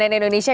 di cnn indonesia